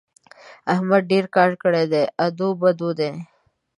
احمد ډېر کار کړی دی؛ ادو بدو دی.